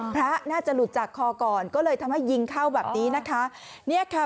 พระน่าจะหลุดจากคอก่อนก็เลยทำให้ยิงเข้าแบบนี้นะคะเนี่ยค่ะ